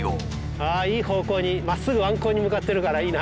ああいい方向にまっすぐ湾口に向かってるからいいな。